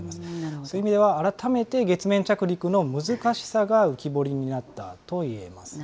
そういう意味では、改めて月面着陸の難しさが浮き彫りになったといえます。